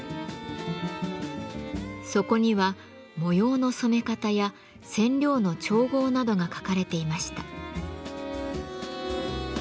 そこには模様の染め方や染料の調合などが書かれていました。